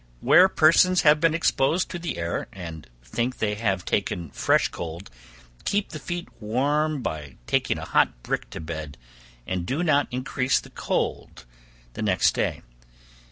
Where persons have been exposed to the air, and think they have taken fresh cold, keep the feet warm by taking a hot brick to bed, and do not increase the cold the next day.